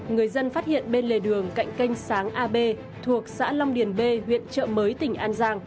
người dân phát hiện bên lề đường cạnh canh sáng ab thuộc xã long điền b huyện chợ mới tỉnh an giang